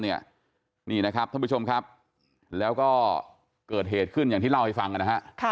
นี่นะครับท่านผู้ชมครับแล้วก็เกิดเหตุขึ้นอย่างที่เล่าให้ฟังนะฮะ